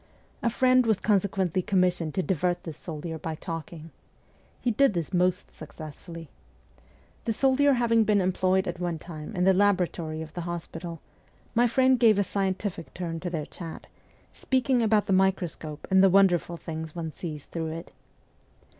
A friend was consequently com missioned to divert this soldier by talking. He did this most successfully. The soldier having been employed at one time in the laboratory of the hospital, my friend gave a scientific turn to their chat, speaking about the microscope and the wonderful things one sees through it.